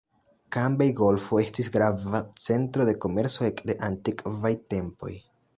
Kambej-Golfo estis grava centro de komerco ekde antikvaj tempoj.